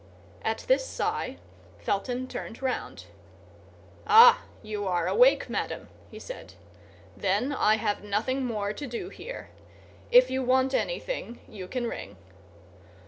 At this sigh Felton turned round. "Ah, you are awake, madame," he said; "then I have nothing more to do here. If you want anything you can ring."